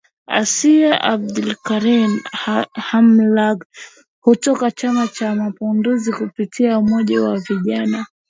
Asia Abdulkarim Hamlaga kutoka Chama cha mapinduzi kupitia umoja wa Vijana